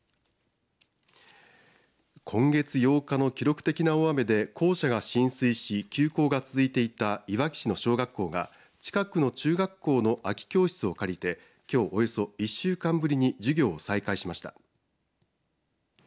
今月８日の記録的な大雨で校舎が浸水し休校が続いていたいわき市の小学校が近くの中学校の空き教室を借りてきょうおよそ１週間ぶりに授業を再開しました。